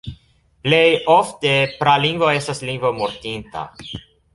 Plej ofte pralingvo estas lingvo mortinta.